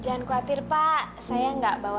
jangan khawatir pak saya nggak bawa